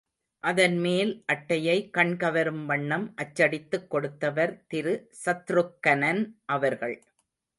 அதன்மேல் அட்டையை கண் கவரும் வண்ணம் அச்சடித்துக் கொடுத்தவர் திரு சத்ருக்கனன் அவர்கள்.